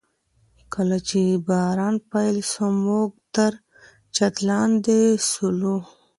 کله چي باران پیل سو، موږ تر چت لاندي سولو.